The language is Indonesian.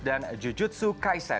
dan jujutsu kaisen bisa anda akses di sini